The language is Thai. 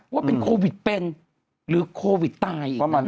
ว่าเป็นโควิดเป็นหรือโควิดตายอีกประมาณ